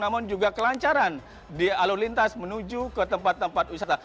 namun juga kelancaran di alur lintas menuju ke tempat tempat wisata